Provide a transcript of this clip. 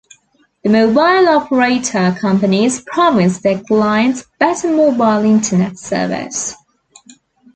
The mobile operator companies promised their clients better mobile internet service.